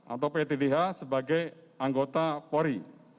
atau ptdh sebagai anggota polri